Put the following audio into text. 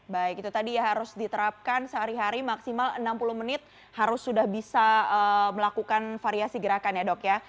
baik itu tadi ya harus diterapkan sehari hari maksimal enam puluh menit harus sudah bisa melakukan variasi gerakan ya dok ya